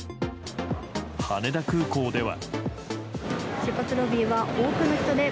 羽田空港では。